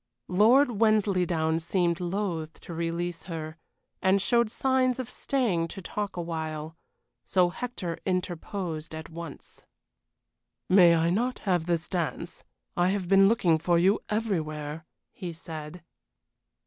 Lord Wensleydown seemed loath to release her, and showed signs of staying to talk awhile. So Hector interposed at once. "May I not have this dance? I have been looking for you everywhere," he said.